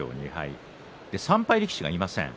３敗力士はいません。